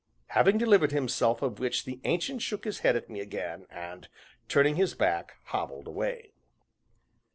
Having delivered himself of which, the Ancient shook his head at me again, and, turning his back, hobbled away.